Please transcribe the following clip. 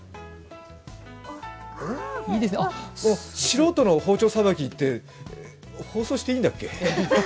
素人の包丁さばきって放送していいんだっけ？